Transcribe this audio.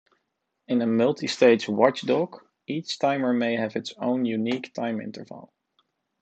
In a multistage watchdog, each timer may have its own, unique time interval.